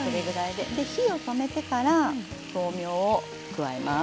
で火を止めてから豆苗を加えます。